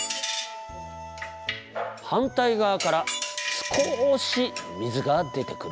反対側から少し水が出てくる。